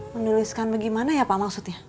menuliskan bagaimana ya pak maksudnya